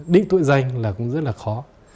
đính tội danh là cũng rất là khó